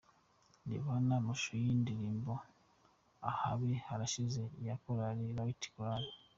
Reba hano amashusho y’indirimbo’Ahabi harashize’ ya Korali Light Choir.